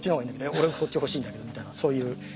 「えっ俺こっち欲しいんだけど」みたいなそういう。